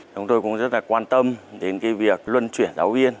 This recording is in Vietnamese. chúng tôi cũng rất là quan tâm đến việc luân chuyển giáo viên